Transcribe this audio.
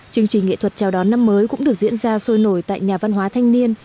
chương trình nghệ thuật chào đón năm mới cũng được diễn ra sôi nổi tại nhà văn hóa thanh niên